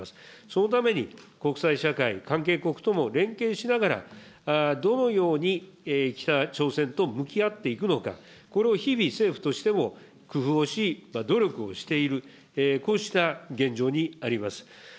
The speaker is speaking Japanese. そのために国際社会、関係国とも連携しながら、どのように北朝鮮と向き合っていくのか、これを日々、政府としても工夫をし、努力をしている、こうした現状にあります。